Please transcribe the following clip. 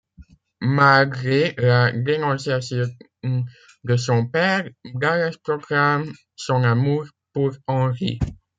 Malgré la dénonciation de son père, Dallas proclame son amour pour Henry.